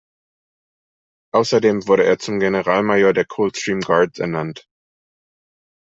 Außerdem wurde er zum Generalmajor der "Coldstream Guards" ernannt.